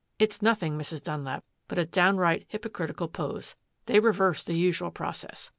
It's nothing, Mrs. Dunlap, but a downright hypocritical pose. They reverse the usual process.